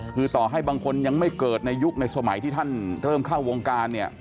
คือต่อให้บางคนยังไม่เกิดในยุคในสมัยที่ท่านเริ่มเข้าวงการเนี่ย